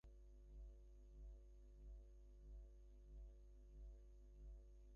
তাঁরা সেখানে সুন্দরবন সম্পর্কে জনসচেতনতা সৃষ্টি করতে পরিবেশন করছেন গণসংগীত, পথনাটক, আবৃত্তি।